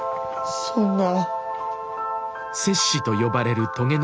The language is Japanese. そんな。